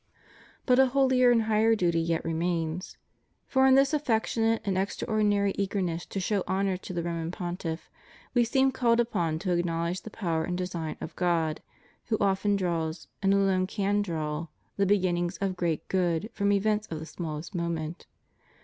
But a holier and higher duty yet remains. For, in this affectionate and extraordinary eagerness to show honor to the Roman Pontiff, We seem called upon to acknowledge the power and the design of God, who often draws, and alone can draw, the beginnings of great good from events of the smallest moment.